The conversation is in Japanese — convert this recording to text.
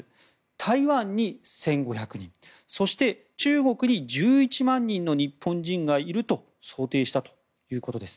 台湾に１５００人そして、中国に１１万人の日本人がいると想定したということです。